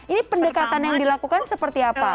ini pendekatan yang dilakukan seperti apa